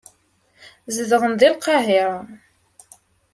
Zedɣen deg Lqahira.